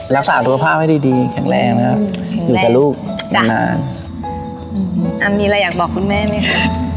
รักษาทุกภาพให้ดีดีแข็งแรงนะครับแหละนะครับอยู่ก่อนลูกห่วงนานอ่ามีอะไรอยากบอกคุณแม่ไหมครับ